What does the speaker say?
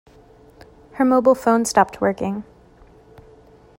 Her mobile phone stopped working.